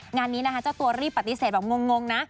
งานนี้นะคะเจ้าตัวรีบปฏิเสธแบบงงนะ